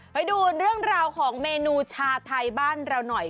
ไปดูเรื่องราวของเมนูชาไทยบ้านเราหน่อย